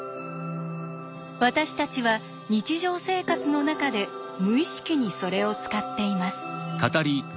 私たちは日常生活の中で無意識にそれを使っています。